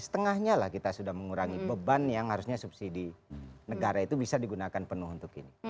setengahnya lah kita sudah mengurangi beban yang harusnya subsidi negara itu bisa digunakan penuh untuk ini